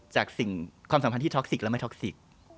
จากสิ่งความสัมพันธ์ที่ท็อกซิกและไม่ท็อกซิก